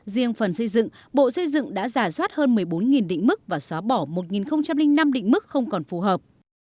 riêng phần xây dựng bộ xây dựng đã giả soát hơn một mươi bốn định mức và xóa bỏ một năm định mức không còn phù hợp